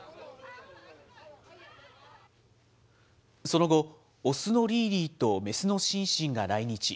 その後、雄のリーリーと雌のシンシンが来日。